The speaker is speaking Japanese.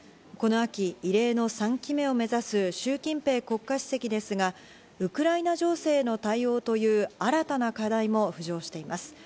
この秋、異例の３期目を目指すシュウ・キンペイ国家主席ですが、ウクライナ情勢への対応という新たな課題も浮上しています。